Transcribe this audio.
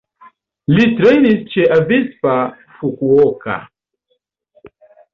Li trejnis ĉe Avispa Fukuoka.